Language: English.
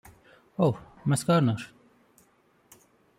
O. Max Gardner.